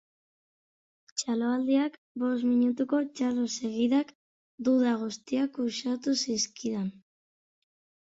Txaloaldiak, bost minutuko txalo segidak, duda guztiak uxatu zizkidan.